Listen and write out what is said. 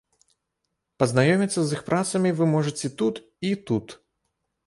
Пазнаёміцца з іх працамі вы можаце тут і тут.